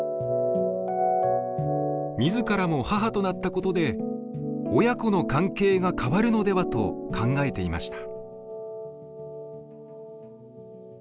自らも母となったことで親子の関係が変わるのではと考えていました。